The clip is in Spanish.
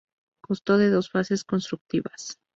Constó de dos fases constructivas.